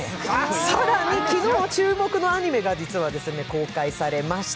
更に昨日、注目のアニメが公開されました。